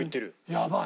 やばい。